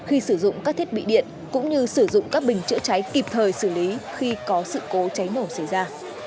khi sử dụng các thiết bị điện cũng như sử dụng các bình chữa cháy kịp thời xử lý khi có sự cố cháy nổ xảy ra